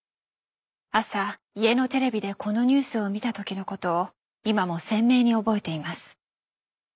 朝家のテレビでこのニュースを見たときのことを今も鮮明に覚えています。